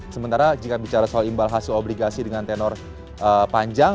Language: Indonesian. sementara jika bicara soal imbal hasil obligasi dengan tenor panjang